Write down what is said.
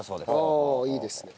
ああいいですね。